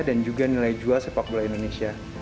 dan juga nilai jual sepak bola indonesia